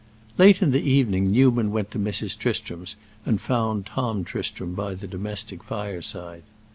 Late in the evening Newman went to Mrs. Tristram's and found Tom Tristram by the domestic fireside.